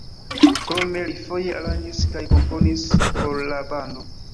Krome li foje aranĝis kaj komponis por la bando.